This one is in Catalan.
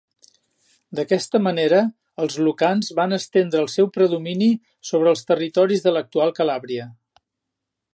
D'aquesta manera els lucans van estendre el seu predomini sobre els territoris de l'actual Calàbria.